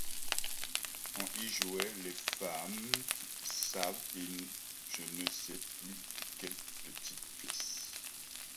On y jouait les Femmes savantes et je ne sais plus quelle petite pièce.